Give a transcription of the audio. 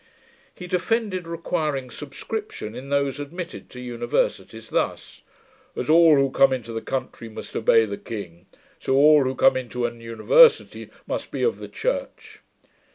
He defended requiring subscription in those admitted to universities, thus: 'As all who come into the country must obey the King, so all who come into an university must be of the Church.'